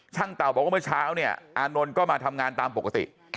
เต่าบอกว่าเมื่อเช้าเนี่ยอานนท์ก็มาทำงานตามปกติ